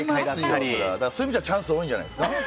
そういう意味じゃチャンス多いんじゃないですか。